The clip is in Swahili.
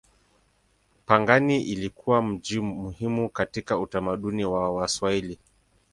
Pangani ilikuwa mji muhimu katika utamaduni wa Waswahili.